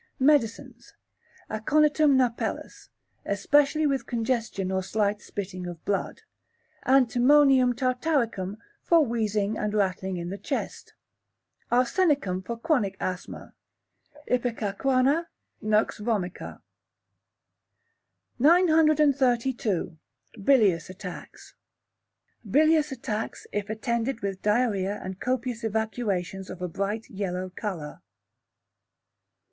Medicines. Aconitum napellus, especially with congestion or slight spitting of blood; Antimonium tartaricum for wheezing and rattling in the chest; Arsenicum for chronic asthma; ipecacuanha; Nux vomica. 932. Bilious Attacks Bilious attacks, if attended with diarrhoea and copious evacuations of a bright yellow colour.